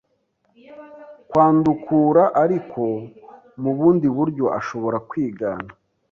kwandukura ariko mubundi buryo ashobora kwigana